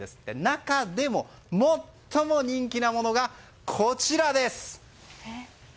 中でも、最も人気なものがこちらです。